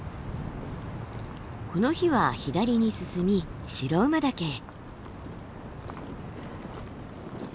この日は左に進み白馬岳へ。